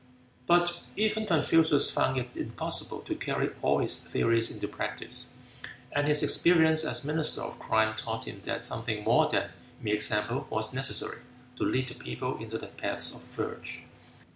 But even Confucius found it impossible to carry all his theories into practice, and his experience as Minister of Crime taught him that something more than mere example was necessary to lead the people into the paths of virtue.